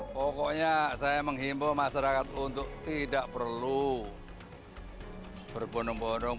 pokoknya saya menghimbau masyarakat untuk tidak perlu berbondong bondong